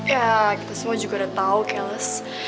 yah kita semua juga udah tau keles